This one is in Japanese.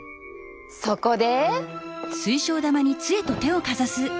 そこで。